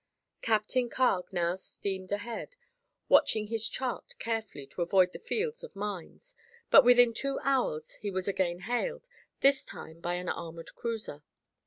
Captain Carg now steamed ahead, watching his chart carefully to avoid the fields of mines, but within two hours he was again hailed, this time by an armored cruiser.